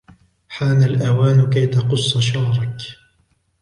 حان الأوان كي تقص شعرك.